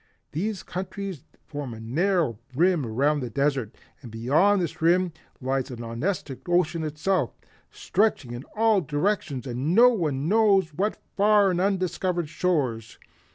These countries form a narrow rim around the desert, and beyond this rim lies the Nonestic Ocean itself, stretching in all directions and to no one knows what far and undiscovered shores.